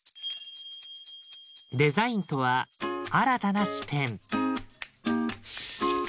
デザインとは「新たな視点」。